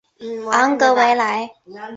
昂格维莱。